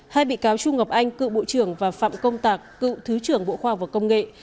hai bị cáo trung ngọc anh cựu bộ trưởng và phạm công tạc cựu thứ trưởng bộ khoa và công nghệ